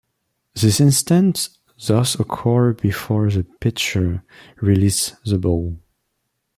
This instant thus occurs before the pitcher releases the ball.